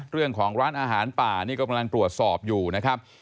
เรื่องของร้านอาหารป่านี่ก็กำลังตรวจสอบอยู่นะครับ